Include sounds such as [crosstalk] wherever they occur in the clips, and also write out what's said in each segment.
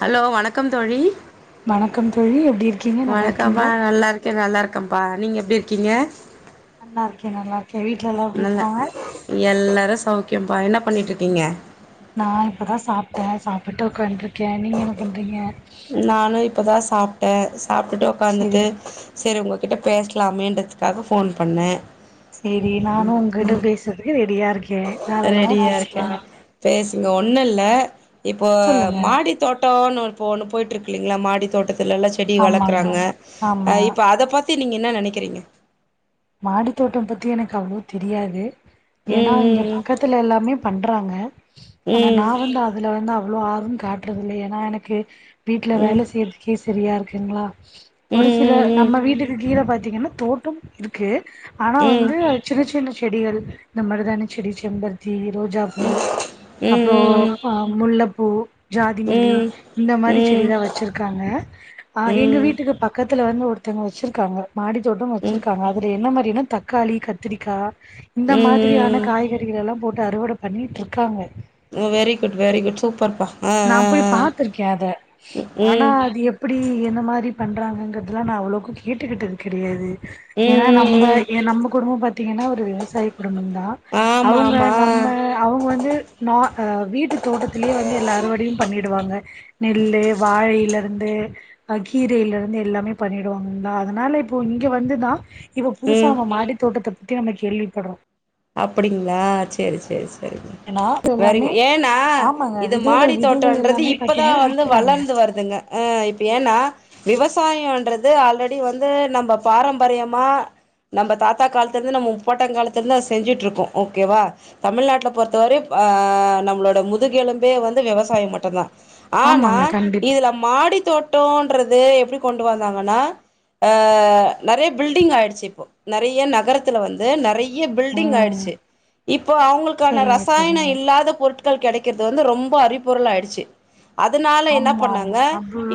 Hello வணக்கம் தோழி வணக்கம் தோழி எப்டி இருக்கீங்க நல்லா இருக்கீங்களா இருக்ப்பா நீங்க எப்டி இருக்கீங்க நல்லா இருக்கே நல்லா இருக்கே வீட்ல எல்லா எப்டி இருக்காங்க ஓகேப்பா என்ன பண்ணிட்டுருக்கீங்க நா இப்பதா சாப்பிட்ட சாப்பிட்டு உட்காந்துருக்க நீங்க என்ன பண்றீங்க நானும்இப் இப்போ தா சாப்பிட்ட சாப்பிட்டுட்டு செரி உடக்காந்துட்டு செரி உங்க கிட்ட பேசலாமேன்றதுக்கா ஃபோன் பண்ணே செரி நானு உங்ககிட்ட பேசுறதுக்கு ரெடியா இருக்க தாராளமா பேசலா ஒண்ணு இல்ல இப்போ சொல்லுங்க மாடி தோட்டோனு ஒன்னு போயிட்டு இருக்குங்களா மாடி தோட்டத்தி அதுலெல்லா செடி ஆமாங்க வளர்க்குறாங்க அ ஆமா இப்ப அத பத்தி நீங்க என்ன நெனைக்கிறீங்க மாடி தோட்டம் பத்தி எனக்கு அவ்ளோ தெரியாது ஏன்னா ம் இங்க ம் பக்கத்துல எல்லாமே பண்றாங்க ம் ம் ஆனா நா வந்து அதுல வந்து அவ்ளோ ஆர்வம் காட்டுறதுல்ல ஏன்னா எனக்கு வீட்ல ம் ம் வேல செய்யறதுக்கே சரியா இருக்குங்களா ஒரு ம் சில ம் ம் நம்ம வீட்டுக்கு கீழே பா பாத்திங்கன்னா தோட்டோம் இருக்கு ஆனா ம் வந்து சின்ன சின்ன செடிகள் இந்த மருதாணி செடி செம் பருத்தி ரோஜா பூ ம் அப்றோ ம் முல்லப் பூ ஜாதிமல்லி ம் ம் இந்த மாரி செடி ம் தா வெச்சிருக்காங்க அஹ் எங்க ம் வீட்டுக்கு பக்கத் பக்கத்ல வந்து ஒருத்தவங்க வெச்சிருக்காங்க மாடி தோட்டம் ம் இருக்காங்க அதுல என்ன மாரினா தக்காளி கத்திரிக்கா இந்த ம் மாதிரியான காய்கறி இதெல்லா போட்டு அறுவட பண்ணிட்டு இருக்காங்க very good very good super பா நா போய் பாத்திருக்கே அத ம் ஆனா ம் அது எப்பிடி என்ன மாதிரி பண்றாங்கிறதுதெலாம் நான் அவ்ளோக்கு கேட்டுக்கிட்டது கிடையாது ஏன்னா ம் நம்ப ம் ஏன் நம்ப குடும்பம் பத்தி ஏன்னா ஒரு விவசாயி பத்தி அவங்கந்தான் ஆமா அவங்க ஆமா ஆ நம்ம அவங்க வந்து நா ஆஹ் வீட்டு தோட்டத்திலேயே வந்து எல்லா மறுபடியும் பண்ணிடுவாங்க நெல்லு வாழையில இருந்து ஆ கீரையில இருந்து எல்லாமே பண்ணிடுவாங்கா அதனால இப்போ இங்க வந்துதான் இவ புதுசா ம் அவ மாடி தோட்டத்தை பத்தி நம்ம கேள்விப்படுறோம் அப்படிங்களா சேரி சேரி ஏன்னா வரகு எல்லாமே ஏன்னா ஆமாங்க இது விதைகள் மாடி விதைகள் தோட்டன்றது எல்லாமே இப்பதான் பாத்தீங்கன்னா வந்து விக்கிறாங்க வளர்ந்து வருதுங்க ஆஹ் இப்ப ஏன்னா விவசாயம்ன்றது ஆல்ரெடி வந்து நம்ப பாரம்பரியமா நம்ப தாத்தா காலத்துல இருந்து நம்ப முப்பாட்டன் காலத்துல இருந்துச்சு செஞ்ஜிட்ருக்கோம் ஓகேவா தமிழ்நாட்டில பொறுத்தவரையும் ஆஹ் நம்பளோட முதுகெலும்பே வந்து விவசாயம் மட்டும்தான். ஆனா ஆமாங்க கண்டிப்பா இதுல மாடித் தோட்டோம்ன்றது எப்படி கொண்டு வந்தாங்கன்னா ஹே நறைய பில்டிங் ஆயடுச்சு இப்போ நரய் ஏன் நகரத்துல வந்து நறைய பி ட்டிங் ம் ஆயிடுச்சு இப்போ அவுங்களுக்கான செரிங்க ரசாயனொ செரிங்க இல்லாத பொருட்கள் கெடைக் விக்கிறது வந்து ரொம்போ அறிபொருள் ஆயிடுச்சு அதுனால என்ன ஆமா ஆமா பண்ணாங்க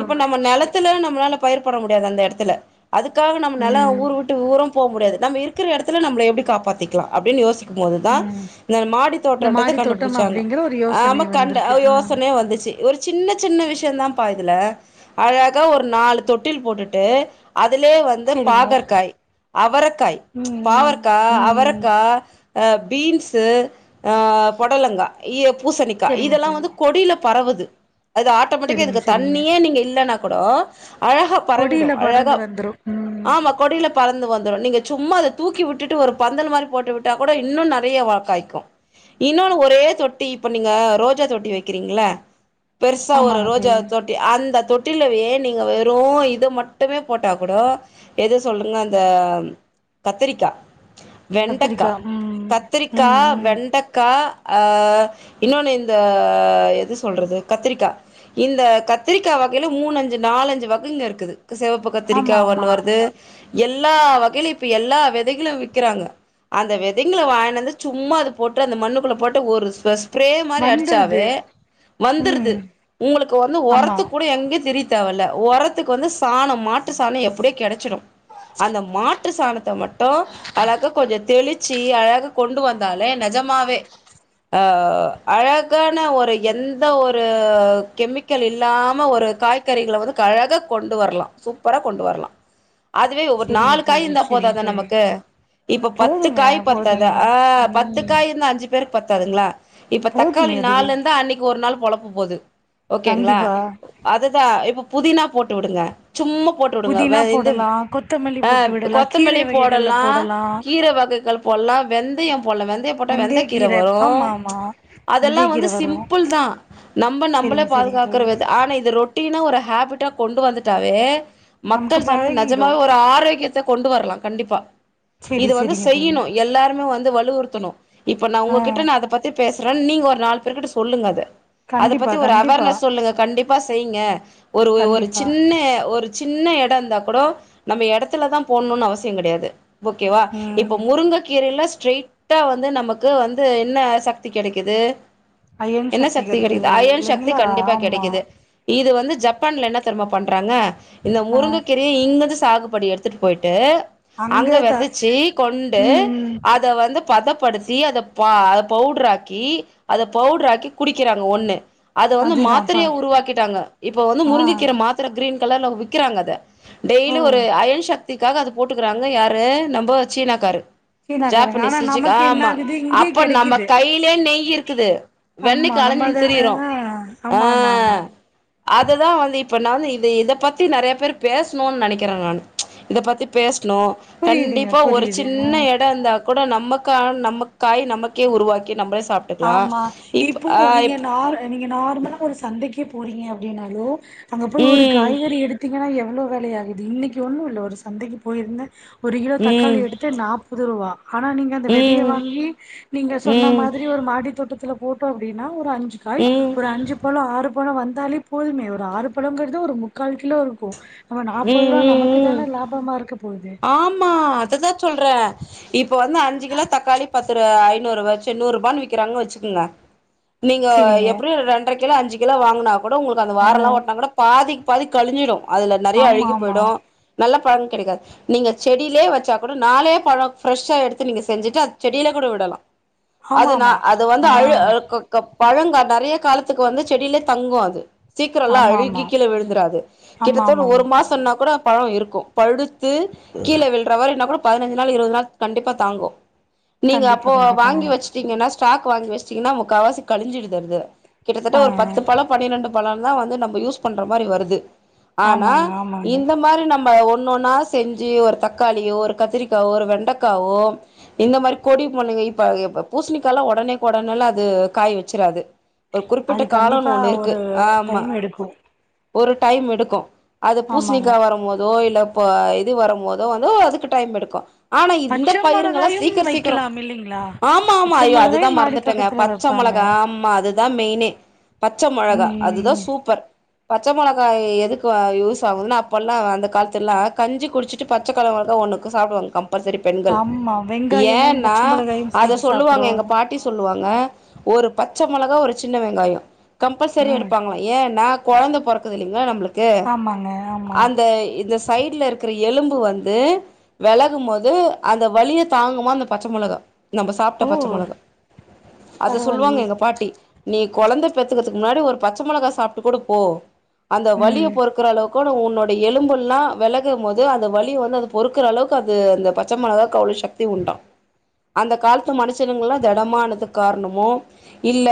இப்ப நம்ம நெலத்துல நம்மளால பயிர் போட முடியாது அந்த எடத்துல அதுக்காக நம்ம நெலொ ம் ஊரு விட்டு ஊரும் போ முடியாது நம்ம இருக்குற எடத்துல நம்ள எப்டி காப்பாத்தி க்லா அப்டின் யோஸ் மோதுதா ம் இந்த மாடி இந்த தோட்டோன்றத மாடி தோட்டம் கண்டுப்புடிச்சாங்க அப்டிங்கிற ஒரு யோசனை ஆமா கண்ட வந்திருக்கு ஆ யோசனையே வந்திச்சு ஒரு சின்னச் சின்ன விஷயந் தாம்ப்பா இதுல அழகா ஒரு நாலு தொட்டில் போட்டுட்டு அதுலே வந்து செரிங்க பாகற்காய் அவரக்காய் ம் ம் பாவற்கா ம் அவரக் ம் கா ஆ பீன்ஸு ஆ பொடலங்கா இ பூசணிக்கா செரிங்க இதெல்லாம் தோழி வந்து கொடியில பறவுது அது ஆட்டோமெட்டிக்கா செரிங்க இதுக்கு செரிங்க தண்ணியே நீங்க இல்லலைன்னா அப்ரோ அழகா கொடியில பரவிடும் அழகா படர்ந்து வந்துரு ம் ஆமா கொடியில பறந்து வந்துரும் நீங்க சும்மா அதை தூக்கி விட்டுட்டு ஒரு பந்தல் மாதிரி போட்டுவிட்டா கூட இன்னும் நல்ல நிறைய வா காய்க்கும் இன்னொன்னு ஒரே தொட்டி இப்ப நீங்க ரோஜா தொட்டி வைக்கிறீங்கள பெருசா ஒரு ஆமாங்க ரோஜா தோழி தொட்டி அந்த தொட்டி முட்டிலவே நீங்க வெறும் இது மட்டுமே போட்டா கூட எது சொல்லுங்க அந்த கத்திரிக்காய் வெண்டக்கா கத்திரிக்கா ம் கத்திரிக்கா ம் ம் வெண்டக்கா ஆ இன்னொன்னு இந்த எது சொல்றது கத்திரிக்காய் இந்த கத்திரிக்காய் வகையில் மூணஞ்சு நாலஞ்சு வகைங்க இருக்குது சிவப்பு ஆமா கத்திரிக்காய் ஒண்ணு ஆமா வருது எல்லா வகையிலும் இப்ப எல்லா விதைகளும் விற்கிறாங்க அந்த விதைங்களை வாயினந்து சும்மா அது போட்டு அந்த மண்ணுக்குள்ள போட்டு ஒரு பிரே மாதிரி வந்துருது அடிச்சாவே வந்துருது ம் உங்களுக்கு வந்து ஆமா உரத்து கூட எங்கே திரித் தேவயில்லே உரத்துக்கு வந்து சாணம் மாட்டு சாணம் எப்படியோ கிடைச்சிடும் அந்த மாட்டு சாணத்தை மட்டும் அழகா தெளிச்சி அழகா கொண்டு வந்தாலே நெஜமாவே அ அழகான ஒரு எந்த ஒரு கெமிக்கல் இல்லாம ஒரு காய்கறிகள வந்து கழகா கொண்டு வர்லா சூப்பரா கொண்டு வர்லா அதுவே ஒரு செரிங்க நாலு காய் தோழி இருந்தா செரிங்க போதாதா தோழி நமக்கு இப்ப பத்து போதுங்க காய் போதுங்க பத்தாதா ஆ பத்து ம் காய் இருந்து அஞ்சு பேர் பத்தாதுங்களா இப்ப தக்காளி போதுமே அதுவே நாலுருந்தா அன்னைக்கு ஒரு நாள் பொலப் பு போது ஓகேங்ளா கண்டிப்பா அத தா இப்ப புதினா போட்டு உடுங்க புதினா போடலா கொத்தமல்லி ஆ போட்டு விடலா கீரை வகைகள போடலா ர வகைகள் போல்லா வெந்தயம் போல்லா வெந்தயம் போட்டா வெந்தய வெந்தக்கீர கீர வரு ஆமா ஆமா அதெல்லா வெந்தய கீர வந்து வரு சிம்ப்புள் தா நம்ப நம்பளே செரிங்க செரிங்க பாதுகாக்க தோழி வித ஆனா இத ரொட் டீனா ஒரு ஹேபிட்டா கொண்டு வந்துட்டாவே நமக்கு மக்கள் ஜந்து பழகிடு நெஜமா ஒரு ஆரோக்கியத்த கொண்டு வர்லா கண்டிப்பா செரி இது வந்து செரிங்க தோழி செய்யிணு எல்லாருமே வந் வலு உறுத்தணு இப்ப நா ஆ உங்ககிட்ட நா அதப்பத்தி பேஸ் றன் நீங்க ஒரு நால் பேர்க்கிட்ட சொல்லுங்க அத கண்டிப்பா அதப்பத்தி ஒரு கண்டிப்பா அவேர்னஸ் சொல்லுங்க கண்டிப் ப்பா செய்ங்க ஒரு ஒ ஒரு கண்டிப்பா சின்ன ஒரு சின்ன எ டொ இருந்தா கூடோ நம்ம எடத்துல தா போண்ணுனு அவசியங் கடையாது ஓகேவா ம் இப்ப முருங்கக்கீரைல ஸ்ட்ரெய்ட்டா வந்து நமக்கு வந்து என்ன சக்தி கெடைக்குது அயன் என்ன சக்தி கெடைக்து கெடைக்குது அயன் சக்தி இல்லைங்களா கண்டிப்பா ஆமா கெடைக்குது இது வந்து ஜப்பான்ல என்ன தெரியுமா பண்றாங்க இந்த ஆ முருங்கக்கா கீரைய இங்கந்து சாகு படி எடுத்துட்டு போய்ட்டு அங்க த இ கொண்டு ம் ம் அத வந் து பதப்படுத்தி அத பா அத பௌடர் ஆக்கி அத பௌட்ராக்கி குடிக்கிறாங்க ஒண்ணு அத வந்து அதுதான்ப்பா மாத்துரையா உருவாக்கிட்டாங்க இப்ப வந்து ஆ முருங்கக் கீர மாத்துர க்ரீன் கலர்ல விக்கிறாங்க அதை ஓ டெய்லி ஒரு அயன் சக் திக்காக அது போட்டுக்குறாங்க யாரு நம் ப சீனாக்காரு சீனாக்காரங்க ஆனா ஜாப்பனீஸு [unintelligible] நமக்கு என்ன ஆமா ஆகுது இங்கயே அப்ப நம்ம கெடைக்குது கையிலயே நெய்யி இருக்குது ஆமா வெண்ணைக்கு நம்ம அத அலைஞ்சுன்னு ஆ திரியிறோ ஆமா ஆமா ஆமா அஹ் அதுதான் வந்து இப்ப நான் வந்து இத இத பத்தி நெறைய பேர் பேசணும்னு நெனைக்கிறேன் நானு ச் இத பத்தி பேச னு புரியுதுங்க கண்டிப் ஒரு புரியுது ஆ சின்ன இடம் இருந்தாகூட நம்மக்கான நம்ம காய் நமக்கே உருவாக்கி நம்மளே சா ஆமா இப்போ நீங்க நார் நீங்க நார்மலா ஒரு சந்தைக்கே போறிங்க அப்டின்னாலும் அங்க போய் ஒரு ம் காய்கறி எடுத்தி திங்ன்னா எவ்ளோ வெலையாகுது இன்னைக்கி ஒன்னும் இல்லை ஒரு சந்தைக்கி போயிருந்தேன் ஒரு கிலோ தக்காளி ம் எடுத்தே நாப்பது ரூபா ஆனா நீங்க அந்த விதையை ம் வாங்கி நீங்க ம் சொன்ன மா ம் அடித்தோட்டத்துல போட்டோம் அப்படின்னா ஒரு அஞ்சு காய் ம் ஒரு அஞ்சு பழம் ஆறு போல வந்தாலே போதுமே ஒரு ஆறு பழம்ங்கிறது ஒரு முக்கால் கிலோ இருக்கும் நம்ம நாப்பது ம் ரூபா ம் நமக்கு ம் தான லாபமா இருக்க போகுது ஆமா அததா சொல்றே இப்ப வந்து அஞ்சு கிலோ தக்காளி பத் ஒரு ஐநூறு ரூபா சேர் நூற்ருபான்னு விக்கிறாங்கன் வச்சுக்கங்க நீங்கோ செரிங்க எப்டியு ஒரு ரெண்ர கிலோ அஞ்சி கிலோ வாங்குனா கூட உங்களுக்கு அந்த ஆ வாரல்லாம் ஓட்டுனா கூட பாதி பாதி கழிஞ்சிடும் அது நெறைய ஆமா அழுகி ஆமா போய்டும் நல்ல பலன் கெடைக்காது நீங்க செடிலயே வச்சா கூட நாலே பழம் ஃப்ரெஷ்ஷா எடுத்து நீங்க செஞ்சுட்டு அது செடில கூட விடலாம் ஆமா அதுனா ஆமா அது வந்து ஆ அழு அழு க்க பழங்கா நெறைய காலத்துக்கு வந்து செடிலயே தங்கும் அது சீக்கிரல்லாம் ஆமா அழுகி ஆமா கீழ விழுந்துறாது ஆமா கிட்டத் ட ஆமாங்க ஒரு மாசம்னா கூட பழம் இருக்கும் பழுத் த்து கீழ விழ்றமாரினா கூட பதினைஞ்சு நாள் இருபது நாள் கண்டிப்பா தாங்கும் நீங்க கண்டிப்பா அப்போ கண்டிப்பாங்க வாங்கி வச்சுட்டீங்கன்னா சொ ஸ்டாக் வாங்கி வச்சிட்டங்கன்னா முக்காவாசி கழிஞ்சிடுது அதுல கிட்டத்தட்ட ஆ ஒரு பத்து பழம் பன்னிரெண்டு பழம் தான் வந்து நம்ம யூஸ் பண்ணுற மாதிரி வருது ஆனா ஆமாங்க ஆமாங்க இந்த மாரி நம்ம ஒ ஒண்ணோன்னா செஞ்சு ஒரு தக்காளியோ ஒரு கத்திரிக்காவோ ஒரு வெண்டைக்காவோ இந்த மாரி கொடிங்கமுல்லங்க இப்ப இப்ப பூசணிக்ல்லாம் உடனேக்கு உடனே எல்லா அது காயி வச்சிராது ஒரு குறிப்பிட்ட அது காலன்னு கண்டிப்பா ஒண்ணு இருக்கு ஒரு ஆஹ் ஆமா டைம் எடுக்கும் ஒரு டைம் எடுக்கும் அது ஆமாங்க பூசணிக்காய் வரும் போதோ இல்ல இப்ப இது வரும் போதோ வந்து அதுக்கு டைம் எடுக்கும் ஆனா இந்த பச்ச பயிருங்கல்லா மொளகாயும் சீக்கிரம் சீக்கிரம் வைக்கலாம் இல்லைங்களா ஆமா ஆமா பச்ச ஐயோ மொளகாயும் அதுதான் மாடி மறந்துட்டேங்க தோட்டத்துல பச்சை வைப்பாங்க மொளகா ஆமா அதுதான் மெயினே பச்ச மொளகா அதுதான் ம் சூப்பர் பச்ச மொளகாய் எதுக் கு யூஸ் ஆகுதுன்னா அப்பல்லா அந்த காலத்துலா கஞ்சி குடிச்சிட்டு பச்சக்கழவங்கா ஒன்னுக்கு சாப்டுவாங்க கம் பல்சரி பெண்கள் ஆமா வெங்காயமும் ஏன்னா பச்ச மொளகாயும் அத சேர்த்து சொல்லுவாங்க எங்க சாப்பிடுவாங்க பாட்டி சொல்லுவாங்க ஒரு பச்ச மொளகா ஒரு சின்ன வெங்காய கம்பல்சரி ம் எடுப்பாங்களா ஏ என்னா கொழந்த பொறக்குது இல்லிங்ளா நம்மளுக் கு ஆமாங்க ஆமா அந்த இந்த சைட்ல இருக்குற எலும்பு வந்து வெலகும் போது அந்த வலிய தாங்குமா அந்த பச்ச மொளகா நம்ப சாப்ட்ட ஓ பச்ச மொளகா அத சொல்லுவாங்க பரவாயில்லையே எங்க பாட்டி நீ கொழந்த பெத்துகற்துக்கு முன்னாடி ஒரு பச்ச மொளகா சாப்ட்டு கூட போ அந்த வலிய ம் பொறுக்குற அளவுக் கோட உன்னோட எலும்பு எல்லா வெலகு போது அந்த வலி வந்து அத பொறுக்குற அளவுக்கு அது அந்த பச்ச மொளகாக்கு அவ்ளோ சக்தி உண்டா அந்த காலத்து மனுஷனுங்ல்லா தெடமானதுக் காரணமோ இல்ல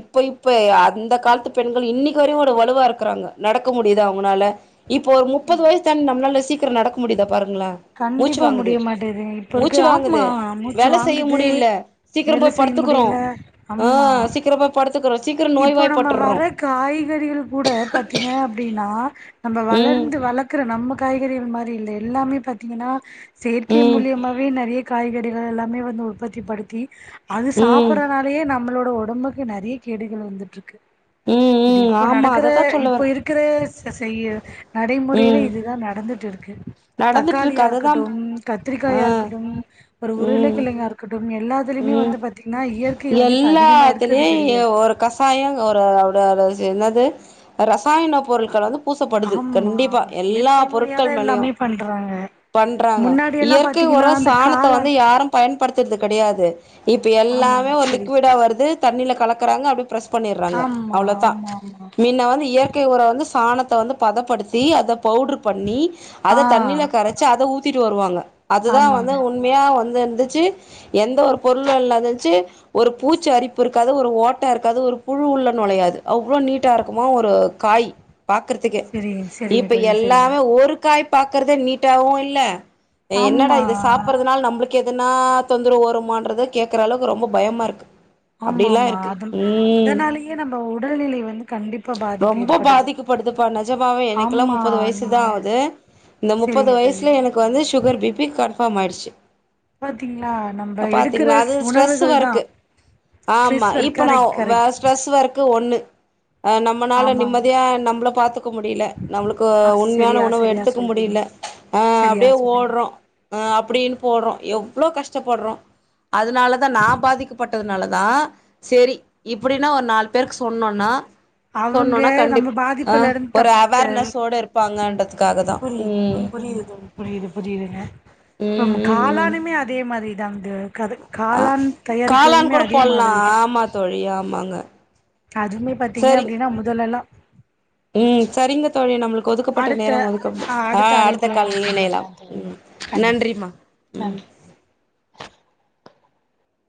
இப்ப இப்ப அந்த காலத்து பெண்கள் இன்னிக்கு வரையோட வலுவா இருக்கறாங்க நடக்க முடி முடியுதா அவங்கனால இப்போ ஒரு முப்பது வயசு தாண்டி நம்மளால சீக் கிர நடக்க முடியுதா பாரு கண்டிப்பா முடிய மாட்டேதுங்க இப்ப மூச்சு இருக்குது ஆமா வாங்குது மூச்சு வேல செய்ய வாங்குது முடியல சீக்கிரம் வேல போய் செய்ய படுத்துக்கிறோ முடியல ஆ ஆமா சீக்கிரம் போய் படுத்துக்கிறோ சீக்கிர இப்போ நம்ம நோய்வாய்ப்பட்டுறோ வர காய்கறிகள் கூட பாத்தீங்க அப்டின்னா நம்ப ம் வளர்ந்து வளக்கற நம்மக் காய்கறிகள் மாரி இல்ல எல்லாமே பாத்தீங்கன்னா செயற்கை ம் மூலியமவே நெறைய காய்கறிகள் எல்லாமே வந்து உற்பத்திபடுத்தி அது ம் சாப்றனாலயே நம்மளோட ஒடம்புக்கு நெறைய கேடுகள் வந்துட்டிருக்கு ம் இது ம் இப்ப ஆமா நடக்கற அததா சொல்ல இப்ப வரே இருக்கிற செ செய்ய நடைமுறையில ம் இதுதா நடந்துட்டு இருக்கு நடந்துட்டு தக்காளியா இருக்கு அதுதா இருக்கட்டும் ஆ கத்திரிக்காயா இருக்கட்டும் ஒரு ம் உருளைக்கிழங்கா இருக்கட்டு எல்லாத்துலயுமே ம் வந்து பாத்தீங்கன்னா இயற்கை வந்து இப்ப அதிகமாக இருக்கிறது எல்லாத்துலயு கெடையாது ஒரு கசாய ஒரு அவட என்னது ரசாயன பொருள்கள் வந்து பூசப்படுது ஆமா கண்டிப்பா ஒரு எல்லா செயற்கை பொருட்கள் முறையாதா மேலயு எல்லாமே பண்றாங்க பண்றாங்க முன்னாடி எல்லா இயற்கை உர பாத்தீங்கன்னா அந்த சாணத்த வந்து காளான் யாரும் பயன்படுத்துறது கெடையாது இப்ப எல்லாமே ஆமாங்க ஒரு செரி லிக்விடா செரி வருது த தண்ணில கலக்குறாங்க அப்டி பிரஸ் பண்ணிடுறாங்க ஆமா அவ்ளோதா ஆமா ஆமா மின்ன வந்து இயற்கை உரம் வந்து பாணத்த வந்து பதப்படுத்தி அத பவுடர் பண்ணி ஆ அத தண்ணில கரச்சு அத ஊதி திட்டு வருவாங்க அதுதா வந்து ஆமாங்க உண்மையா வந்து இருந்துச்சு எந்த ஒரு பொருள் இல்லாதச்சு ஒரு பூச்சி அரிப்பு இருக்காது ஒரு ஓட்டா இருக்காது ஒரு புழு உள்ள நுழையாது அவ்ளோ நீட்டா இருக்குமா ஒரு காயி பாக்குறதுக்கே செரிங்க செரிங்க இப்ப தோழி செரிங்க எல்லாமே ஒரு காய் பாக்கர்தே நீட்டாவு இல்ல ஏ என்னடா ஆமா இது சாப்புடுறதுனால நம்மளுக் கேதனா தொந்துரவு ஓ வருமான்றத கேக்குற அளவுக்கு ரொம்ப பயமா இருக்கு ஆமா அப்டிலா ஆமா இருக்கு அது ம் அதனாலேயே நம்ம உடல்நிலை வந்து கண்டிப்பா பாதிப்பு ரொம்ப ஏற்படுது பாதிக்கப்படுது பா நெஜமாவே எனக்குல்லா ஆமா முப்பது வயசு தா நீங்க ஆகுது இந்த முப்பது சரிங்க தோழி வயசுல எனக்கு வந்து சுகர் பிபி கன்ஃபார்ம் ஆயிடுச்சு பாத்தீங்களா நம்ம எடுக்கிற பாத்தீங்களா அது ஸ் ஸ்டரஸ் உணவுகள் தான் ஒர்கு ஆமா ஸ்ட்ரெஸ் ஒர்க் இப்ப நா கரெக்ட் கரெக்ட் ஸ்டரஸ் ஒர்கு ஒண்ணு நம்மளால ஆமாங்க நிம்மதியா நம்மள பாத்து க்க முடில நம்மளுக்கு ஆ உண்மையான சரியா உணவு சரியா எடுத்துக்க சொல்றீங்க முடில அ சரியா அப்டியே சொன்னீங்க ஓடுறோ அ அப்படின்னு போடுறோ எவ்ளோ கஷ்டப்படுறோ அதுனால தா நா பாதிக்கப்பட்டதுனால தா சேரி இப்படின்னா ஒரு நாலு பேருக்கு சொன்னோன்னா அவங்க சொன்னோனா நம்ம கண்டிப் பாதிப்புல ஆஹ் இருந்து ஒரு தப்பித்து அவேர்னஸோடு இருப்பாங்க புரியுது புரியுது தோழி புரியுது புரியுதுங்க ம் ஆமா ம் ம் காளானுமே அதே மாதிரிதா ங்க கதக் ஆ காளான் காளான் தயாரிக்கிறதுமே கூட அதே போட்லா மாதிரி தா ஆமா தோழி ஆமாங்க அதுமே பாத்தீங்க சரி அப்படின்னா முதலெல்லா ம் சரிங்க தோழி நம்ளு கொதுக்கப்பட்ட அடுத்த நேரோ ஒதுக்கப்டு அ ஆஹ் அடுத்த அழைப்புல கால் நம்ம லிலயலாம் சந்திக்கலாம் தோழி ம் கண்டிப்பா நன்றிமா ம் நன்றி